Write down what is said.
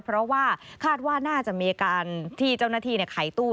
เพราะว่าคาดว่าน่าจะมีอาการที่เจ้าหน้าที่ไขตู้